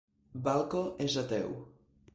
Balko és ateu.